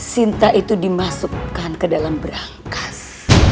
sinta itu dimasukkan ke dalam berangkas